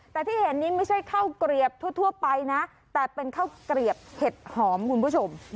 แต่ที่เห็นนี้ไม่ใช่ข้าวเกลียบทั่วไปนะแต่เป็นข้าวเกลียบเห็ดหอมคุณผู้ชม